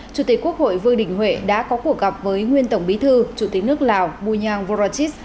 chủ tịch quốc hội vương đình huệ đã có cuộc gặp với nguyên tổng bí thư chủ tịch nước lào bunyang vorachit